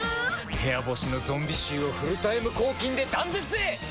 部屋干しのゾンビ臭をフルタイム抗菌で断絶へ！